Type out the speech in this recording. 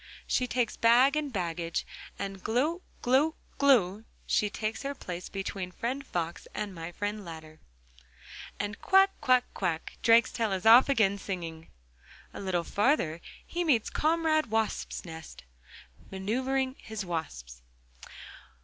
She takes bag and baggage, and glou, glou, glou, she takes her place between friend Fox and my friend Ladder. And 'Quack, quack, quack.' Drakestail is off again singing. A little farther on he meets comrade Wasp's nest, manoeuvring his wasps.